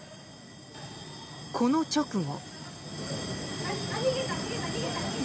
この直後。